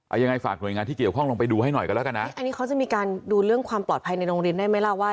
ยังไงฝากหน่วยงานที่เกี่ยวข้องลงไปดูให้หน่อยกันแล้วกันนะอันนี้เขาจะมีการดูเรื่องความปลอดภัยในโรงเรียนได้ไหมล่ะว่า